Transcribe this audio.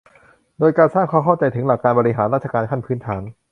โดยการสร้างความเข้าใจถึงหลักการบริหารราชการขั้นพื้นฐาน